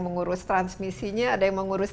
mengurus transmisinya ada yang mengurus